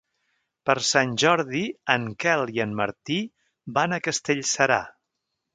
Per Sant Jordi en Quel i en Martí van a Castellserà.